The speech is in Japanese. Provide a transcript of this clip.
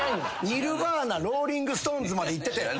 ニルヴァーナローリング・ストーンズまでいってた。